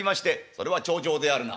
「それは重畳であるな。